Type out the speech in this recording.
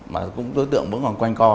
mà đối tượng vẫn còn quanh co